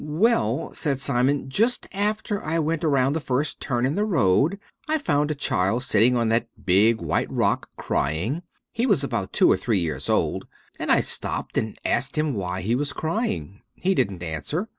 "Well," said Simon, "just after I went around the first turn in the road I found a child sitting on that big white rock, crying. He was about two or three years old, and I stopped and asked him why he was crying. He didn't answer.